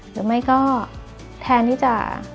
หรือไม่ก็แทนที่จะ